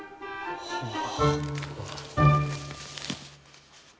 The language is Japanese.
はあ。